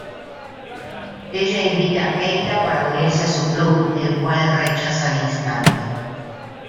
Ella invita a Keita para unirse a su club el cual rechaza al instante.